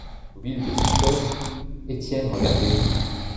Immobile de stupeur, Étienne regardait toujours.